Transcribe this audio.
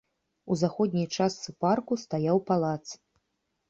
У заходняй частцы парку стаяў палац.